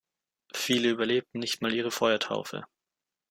Viele überlebten nicht mal ihre Feuertaufe.